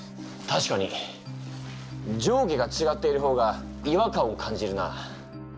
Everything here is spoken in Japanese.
たしかに上下がちがっている方が違和感を感じるな。